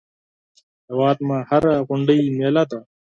هیواد مې هره غونډۍ مېله ده